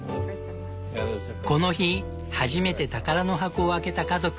この日初めて宝の箱を開けた家族。